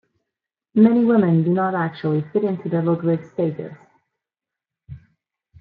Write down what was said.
Many women do not actually fit into the Ludwig stages.